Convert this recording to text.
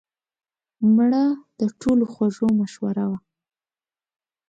مړه د ټولو خوږه مشوره وه